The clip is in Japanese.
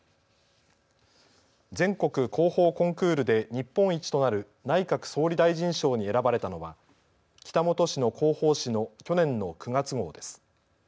全国広報コンクールで日本一となる内閣総理大臣賞に選ばれたのは北本市の広報紙の去年の９月号です。